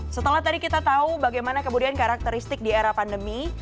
setelah tadi kita tahu bagaimana kemudian karakteristik di era pandemi